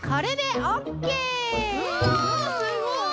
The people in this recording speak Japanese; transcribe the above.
おすごい！